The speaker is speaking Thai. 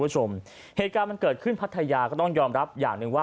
คุณผู้ชมเหตุการณ์มันเกิดขึ้นพัทยาก็ต้องยอมรับอย่างหนึ่งว่า